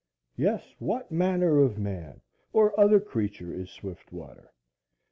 Yes, what manner of man, or other creature is Swiftwater?